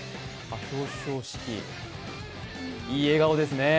表彰式、いい笑顔ですね。